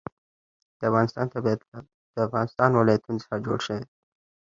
د افغانستان طبیعت له د افغانستان ولايتونه څخه جوړ شوی دی.